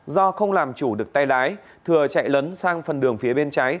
do không làm chủ được tay lái thừa chạy lấn sang phần đường phía bên trái